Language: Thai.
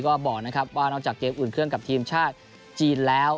ก็บอกนะครับว่านอกจากเกมอุ่นเครื่องกับทีมชาติจีนแล้ว